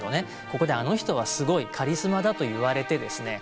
ここであの人はすごいカリスマだと言われてですね